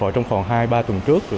trong khoảng hai ba tuần trước